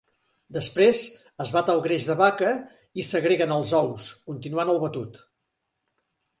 Després es bat el greix de vaca i s'agreguen els ous, continuant el batut.